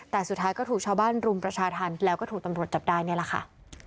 แต่สุดท้ายก็ถูกชาวบ้านรุมประชาธรรมแล้วก็ถูกตำรวจจับได้นี่แหละค่ะ